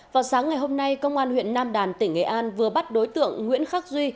vào sáng ngày hôm nay công an huyện nam đàn tỉnh nghệ an vừa bắt đối tượng nguyễn khắc duy